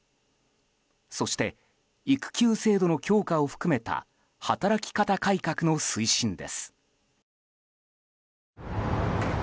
そして、育休制度の強化を含めた働き方改革の推進です。